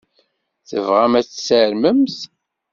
Tebɣamt ad tarmemt?